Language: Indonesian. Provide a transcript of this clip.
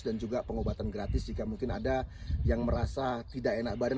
dan juga pengobatan gratis jika mungkin ada yang merasa tidak enak badan